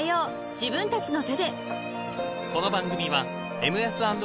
自分たちの手で］